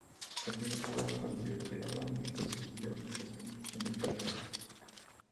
Continuó jugando en la Universidad de Albany mientras estudiaba Administración y Dirección de Empresas.